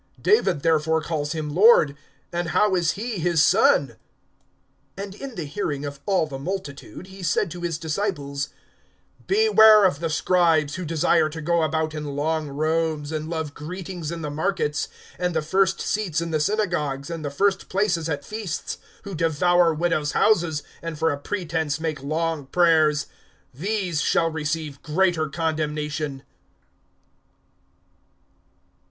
(44)David therefore calls him Lord, and how is he his son? (45)And in the hearing of all the multitude, he said to his disciples: (46)Beware of the scribes, who desire to go about in long robes, and love greetings in the markets, and the first seats in the synagogues, and the first places at feasts; (47)who devour widows' houses, and for a pretense make long prayers. These shall receive greater condemnation.